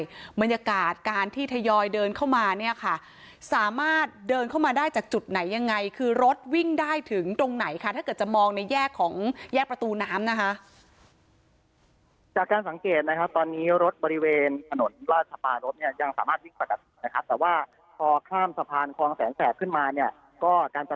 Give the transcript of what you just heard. จุดที่มวลชนสามารถเดินทางเข้าไปเป็นจุดที่มวลชนสามารถเดินทางเข้าไปเป็นจุดที่มวลชนสามารถเดินทางเข้าไปเป็นจุดที่มวลชนสามารถเดินทางเข้าไปเป็นจุดที่มวลชนสามารถเดินทางเข้าไปเป็นจุดที่มวลชนสามารถเดินทางเข้าไปเป็นจุดที่มวลชนสามารถเดินทางเข้าไปเป็นจุดที่มวลชนสามารถเดินทางเข้าไป